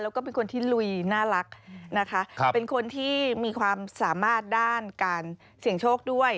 แล้วก็เป็นคนที่ลุยน่ารักนะคะเป็นคนที่มีความสามารถด้านการเสี่ยงโชคด้วย